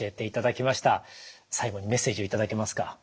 最後にメッセージを頂けますか？